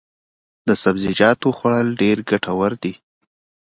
د سبزیجاتو خوړل ډېر ګټور دي.